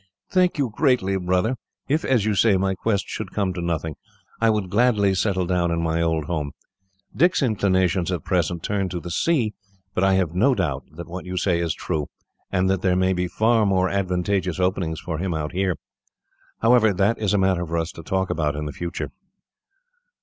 "Thank you greatly, brother. If, as you say, my quest should come to nothing, I would gladly settle down in my old home. Dick's inclinations, at present, turn to the sea, but I have no doubt that what you say is true, and that there may be far more advantageous openings for him out here. However, that is a matter for us to talk over, in the future."